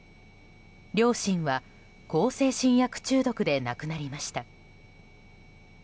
両親は向精神薬中毒で亡くなりました。